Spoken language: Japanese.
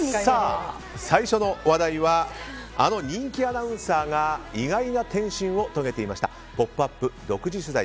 最初の話題はあの人気アナウンサーが意外な転身を遂げていました。